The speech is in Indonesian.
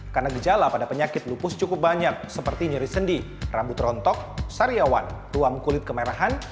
karena gejala pada penyakit lupus cukup banyak seperti nyaris sendi rambut rontok sariawan ruam kulit kemerahan